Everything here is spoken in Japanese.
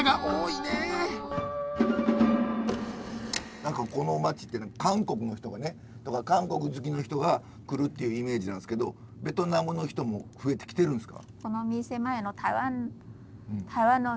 何かこの街って韓国の人がねとか韓国好きの人が来るっていうイメージなんですけどベトナムの人も増えてきてるんですか？